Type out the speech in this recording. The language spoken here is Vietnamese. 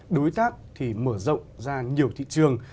đối tác thì mở rộng ra nhiều thị trường